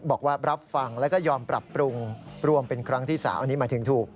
บอกว่ารับฟังแล้วก็ยอมปรับปรุงรวมเป็นครั้งที่๓อันนี้หมายถึงถูก